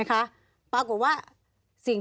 มีความรู้สึกว่ามีความรู้สึกว่า